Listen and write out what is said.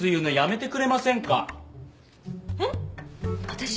私？